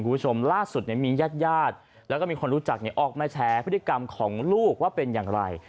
คุณผู้ชมล่าสุดมีญาติญาติแล้วก็มีคนรู้จักออกมาแชร์พฤติกรรมของลูกว่าเป็นอย่างไร